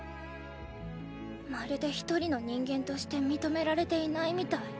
まるでひとりの人間として認められていないみたい。